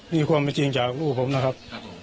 นี่ความเป็นจริงจากลูกผมนะครับ